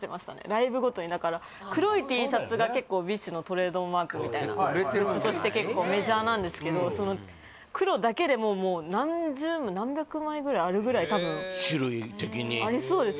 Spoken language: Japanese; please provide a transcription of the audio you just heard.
ライブごとにだから黒いＴシャツが結構ＢｉＳＨのトレードマークみたいな結構メジャーなんですけどその黒だけでももう何十枚何百枚ぐらいあるぐらいたぶん種類的にありそうです